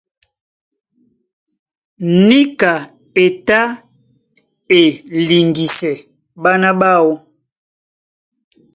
Níka e tá e liŋgisɛ ɓána ɓáō.